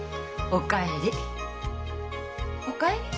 お帰り？